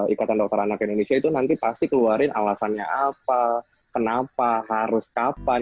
ikatan dokter anak indonesia itu nanti pasti keluarin alasannya apa kenapa harus kapan